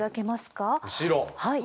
はい。